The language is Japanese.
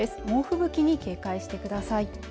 猛吹雪に警戒してください